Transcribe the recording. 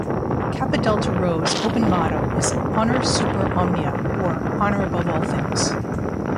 Kappa Delta Rho's open motto is "Honor Super Omnia", or "Honor Above All Things".